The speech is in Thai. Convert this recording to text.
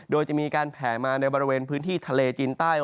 โดยจะมีการแผ่มาในบริเวณพื้นที่ทะเลจีนใต้